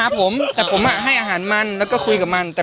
อารมณ์มันไม่มาหรือยังไง